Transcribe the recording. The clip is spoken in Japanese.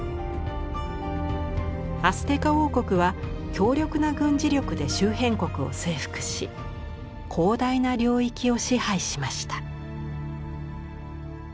アステカ王国は強力な軍事力で周辺国を征服し広大な領域を支配しました。